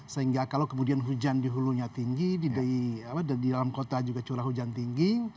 sehingga kalau kemudian hujan di hulunya tinggi di dalam kota juga curah hujan tinggi